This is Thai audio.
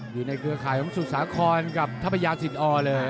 อยู่ในเกือบข่ายของสุสาคอนกับทัพยาสินอลเลย